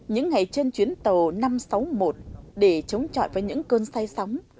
những ngày trên chuyến tàu năm trăm sáu mươi một để chống chọi với những cơn say sóng